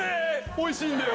おいしいんだよ。